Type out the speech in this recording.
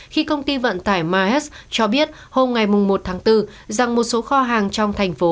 khi công ty vận tải mahes cho biết hôm ngày một tháng bốn rằng một số kho hàng trong thành phố